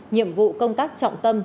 nhiệm vụ công tác trọng tâm sáu tháng